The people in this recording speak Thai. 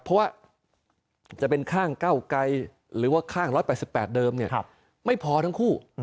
เพราะว่าจะเป็นข้างเก้าไกรหรือว่าข้าง๑๘๘เดิมไม่พอทั้งคู่